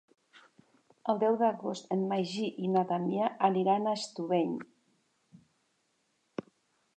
El deu d'agost en Magí i na Damià aniran a Estubeny.